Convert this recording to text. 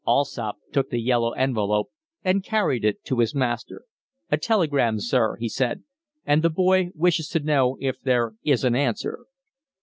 Allsopp took the yellow envelope and carried it to his master. "A telegram, sir," he said. "And the boy wishes to know if there is an answer."